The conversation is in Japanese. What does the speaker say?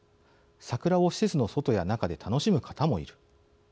桜を施設の外や中で楽しむ方もいる」